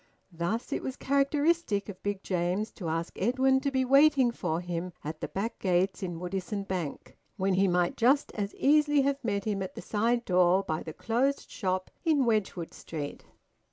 Thus it was characteristic of Big James to ask Edwin to be waiting for him at the back gates in Woodisun Bank when he might just as easily have met him at the side door by the closed shop in Wedgwood Street.